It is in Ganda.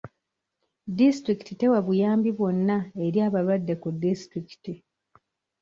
Disitulikiti tewa buyambi bwonna eri abalwadde ku disitulikiti.